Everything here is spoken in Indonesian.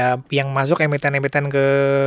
ya yang masuk emiten emiten ke